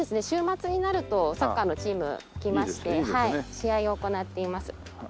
週末になるとサッカーのチーム来まして試合を行っています。